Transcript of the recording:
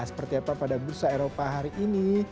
seperti apa pada bursa eropa hari ini